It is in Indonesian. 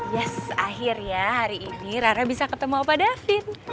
yes akhir ya hari ini rara bisa ketemu apa david